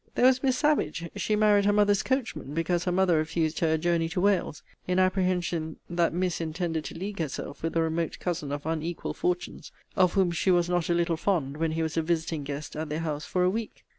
There was MISS SAVAGE; she married her mother's coachman, because her mother refused her a journey to Wales; in apprehension that miss intended to league herself with a remote cousin of unequal fortunes, of whom she was not a little fond when he was a visiting guest at their house for a week.